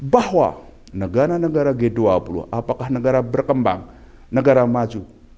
bahwa negara negara g dua puluh apakah negara berkembang negara maju